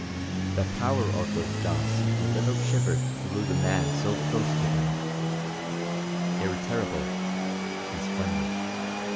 The power of those jaws sent a little shiver through the man so close to them. They were terrible and splendid.